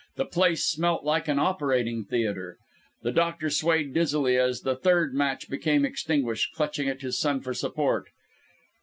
The place smelt like an operating theatre. The doctor swayed dizzily as the third match became extinguished, clutching at his son for support.